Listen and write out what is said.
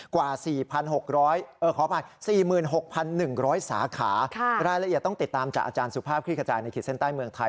กว่า๔๖๐๐ขออภัย๔๖๑๐๐สาขารายละเอียดต้องติดตามจากอาจารย์สุภาพคลิกขจายในขีดเส้นใต้เมืองไทย